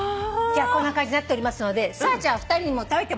こんな感じになっておりますのでじゃあ２人にも食べてもらおう。